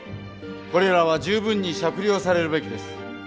これらは十分に酌量されるべきです。